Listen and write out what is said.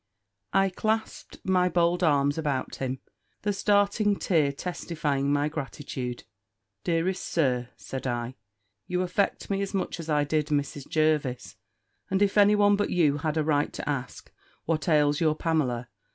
I clasped my bold arms about him, the starting tear testifying my gratitude. "Dearest Sir," said I, "you affect me as much as I did Mrs. Jervis; and if any one but you had a right to ask, what ails your Pamela?